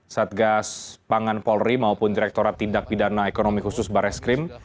satgas pangan polri maupun direkturat tindak pidana ekonomi khusus barreskrim